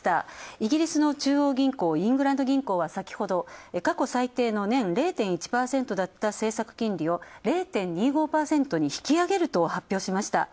イギリスの中央銀行、イングランド銀行は先ほど過去最低の年０．１％だった政策金利を０．２５％に引き上げると発表しました。